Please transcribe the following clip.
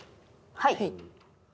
はい。